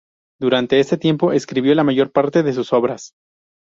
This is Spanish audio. Durante ese tiempo, escribió la mayor parte de sus obras.